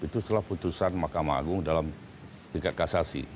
itu setelah putusan mahkamah agung dalam tingkat kasasi